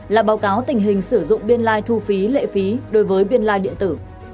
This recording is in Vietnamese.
là báo cáo tình hình sử dụng biên lai thu phí lệ phí đối với biên lai điện tử